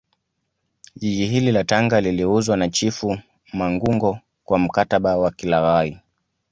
Jiji hili la Tanga liliuzwa na chifu mangungo kwa mkataba wa kilaghai